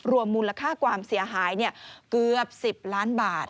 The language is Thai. รวมมูลค่าความเสียหายเกือบ๑๐ล้านบาท